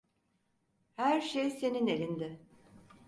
Her şey senin elinde.